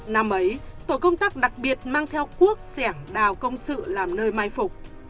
năm ấy tổ công tác đặc biệt mang theo cuốc sẻng đào công sự làm nơi mai phục